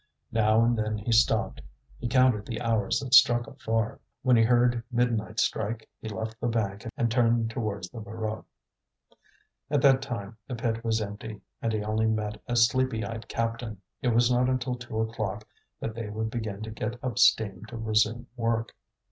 Now and then he stopped, he counted the hours that struck afar. When he heard midnight strike he left the bank and turned towards the Voreux. At that time the pit was empty, and he only met a sleepy eyed captain. It was not until two o'clock that they would begin to get up steam to resume work.